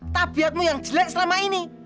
tabiatmu yang jelek selama ini